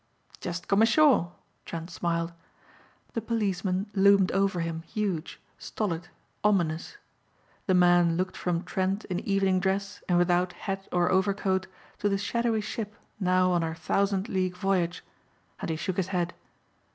"Just come ashore," Trent smiled. The policeman loomed over him huge, stolid, ominous. The man looked from Trent in evening dress and without hat or overcoat, to the shadowy ship now on her thousand league voyage and he shook his head.